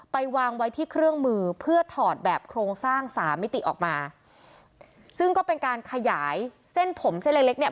ไปวางไว้ที่เครื่องมือเพื่อถอดแบบโครงสร้างสามมิติออกมาซึ่งก็เป็นการขยายเส้นผมเส้นเล็กเล็กเนี่ย